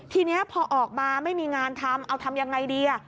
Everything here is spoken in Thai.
ทีนี้พอออกมาไม่มีงานทำเอาทำยังไงดี